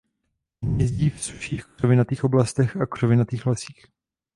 Hnízdí v sušších křovinatých oblastech a křovinatých lesích.